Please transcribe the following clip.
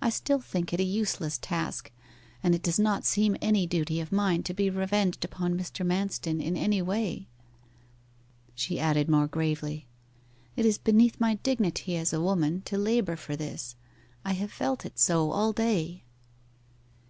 I still think it a useless task, and it does not seem any duty of mine to be revenged upon Mr. Manston in any way.' She added more gravely, 'It is beneath my dignity as a woman to labour for this; I have felt it so all day.